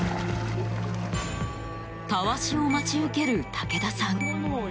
たわしを待ち受ける武田さん。